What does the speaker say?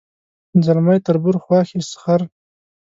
ځلمی تربور خواښې سخر